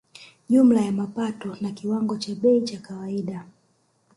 Jumla ya mapato na kiwango cha bei ya kawaida